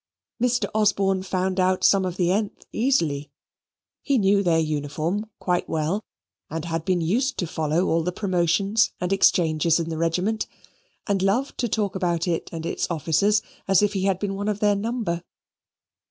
Mr. Osborne found out some of the th easily. He knew their uniform quite well, and had been used to follow all the promotions and exchanges in the regiment, and loved to talk about it and its officers as if he had been one of the number.